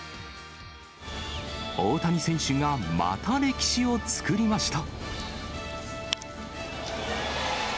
大谷選手がまた歴史を作りました。